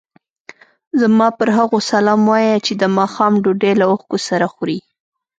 زما پر هغو سلام وایه چې د ماښام ډوډۍ له اوښکو سره خوري.